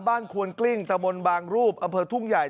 ควนกลิ้งตะมนต์บางรูปอำเภอทุ่งใหญ่